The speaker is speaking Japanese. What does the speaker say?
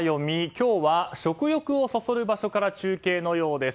今日は食欲をそそる場所から中継のようです。